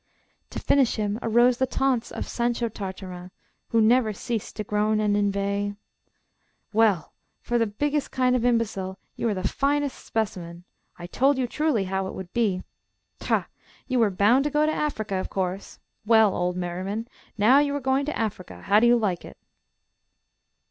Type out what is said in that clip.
To finish him arose the taunts of Sancho Tartarin, who never ceased to groan and inveigh: "Well, for the biggest kind of imbecile, you are the finest specimen! I told you truly how it would be. Ha, ha! you were bound to go to Africa, of course! Well, old merriman, now you are going to Africa, how do you like it?"